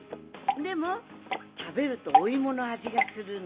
でもたべるとおいものあじがするの。